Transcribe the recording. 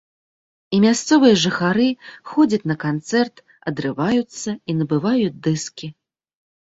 І мясцовыя жыхары ходзяць на канцэрт, адрываюцца, і набываюць дыскі.